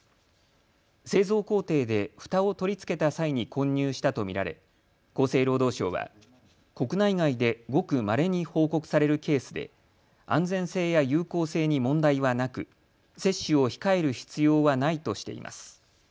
製造工程でふたを取り付けた際に混入したと見られ厚生労働省は国内外でごくまれに報告されるケースで安全性や有効性に問題はなく接種を控える必要はないとしています。